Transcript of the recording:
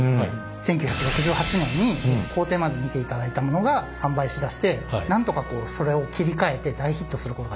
１９６８年に工程まで見ていただいたものが販売しだしてなんとかこうそれを切り替えて大ヒットすることができたという。